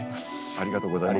ありがとうございます。